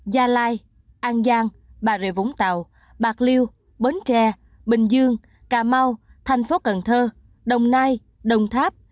gia lai an giang bà rịa vũng tàu bạc liêu bến tre bình dương cà mau thành phố cần thơ đồng nai đồng tháp